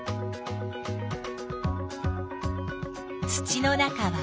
土の中は？